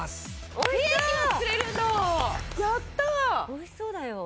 美味しそうだよ。